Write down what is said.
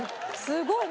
すごい。